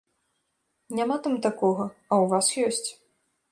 Няма там такога, а ў вас ёсць.